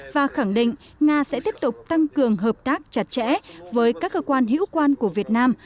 và khẳng định nga sẽ tiếp tục tăng cường hợp tác chặt chẽ với các cơ quan hữu quan của việt nam